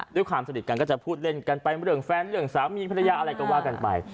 ด้วยความสนิทกันก็จะพูดเล่นกันไปเรื่องแฟนเรื่องสามีภรรยาอะไรก็ว่ากันไป